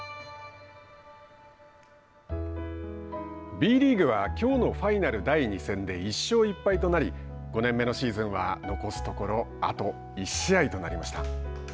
Ｂリーグはきょうのファイナル第２戦で１勝１敗となり５年目のシーズンはあと１試合となりました。